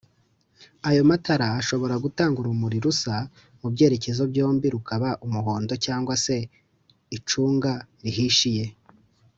ayo matara ashobora Gutanga urumuri rusa mubyerekezo byombi rukaba Umuhondo cg se icunga rihishije